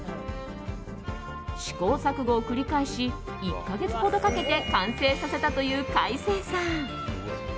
試行錯誤を繰り返し１か月ほどかけて完成させたというカイセイさん。